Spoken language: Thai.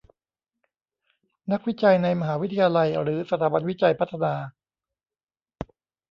นักวิจัยในมหาวิทยาลัยหรือสถาบันวิจัยพัฒนา